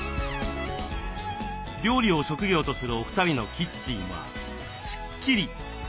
料理を職業とするお二人のキッチンはスッキリ！